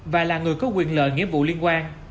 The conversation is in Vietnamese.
và là người có quyền lợi nghĩa vụ liên quan